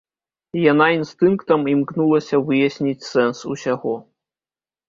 Яна інстынктам імкнулася выясніць сэнс усяго.